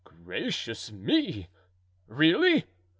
"Gracious me! really!"